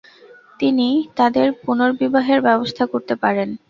তিনি তাদের পুনর্বিবাহের ব্যবস্থা করতে পারেন।